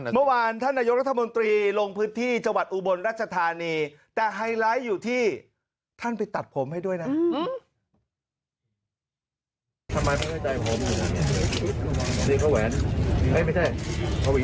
เมื่อวานท่านนายกรัฐมนตรีลงพื้นที่จังหวัดอุบลรัชธานีแต่ไฮไลท์อยู่ที่ท่านไปตัดผมให้ด้วยนะ